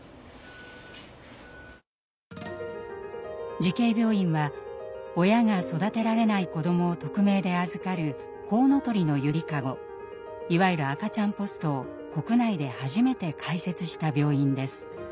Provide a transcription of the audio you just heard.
慈恵病院は親が育てられない子どもを匿名で預かる「こうのとりのゆりかご」いわゆる赤ちゃんポストを国内で初めて開設した病院です。